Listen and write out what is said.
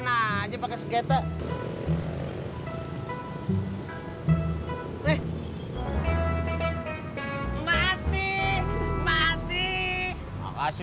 nih memang inget aku